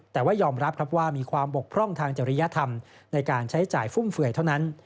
แต่ว่ายอมรับครับว่ามีความบกพร่องทางจริยธรรมในการใช้จ่ายฟุ่มเฟื่อยเท่านั้น